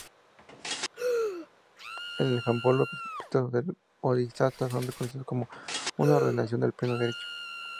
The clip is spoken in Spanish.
En Japón los preceptos del bodhisattva son reconocidos como una ordenación de pleno derecho.